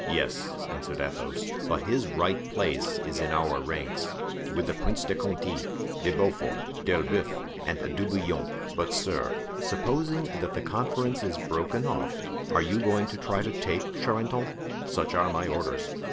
"Yes," answered Athos, "but his right place is in our ranks, with the Prince de Conti, De Beaufort, D'Elbeuf, and De Bouillon; but, sir, supposing that the conference is broken off—are you going to try to take Charenton?" "Such are my orders."